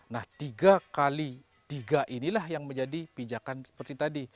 nah tiga kali tiga inilah yang menjadi pijakan seperti tadi